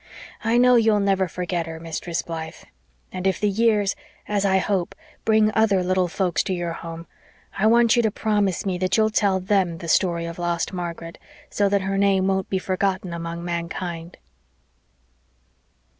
I know you'll never forget her, Mistress Blythe. And if the years, as I hope, bring other little folks to your home, I want you to promise me that you'll tell THEM the story of lost Margaret, so that her name won't be forgotten among humankind."